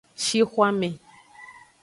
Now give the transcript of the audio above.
Shixwanme.